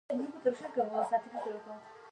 ازادي راډیو د سوله په اړه د خلکو پوهاوی زیات کړی.